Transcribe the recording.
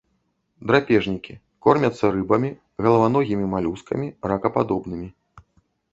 Драпежнікі, кормяцца рыбамі, галаваногімі малюскамі, ракападобнымі.